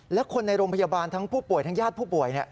และคนในโรงพยาบาลทั้งผู้ป่วยทั้งญาติผู้ป่วย